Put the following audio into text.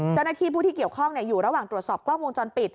เจ้าหน้าที่ผู้ที่เกี่ยวข้องอยู่ระหว่างตรวจสอบกล้องวงจรปิด